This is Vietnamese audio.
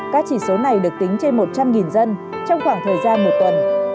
các chỉ số này được tính trên một trăm linh dân trong khoảng thời gian một tuần